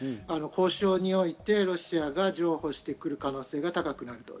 交渉においてロシアが譲歩してくる可能性が高くなる。